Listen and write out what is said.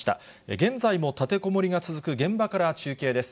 現在も立てこもりが続く現場から中継です。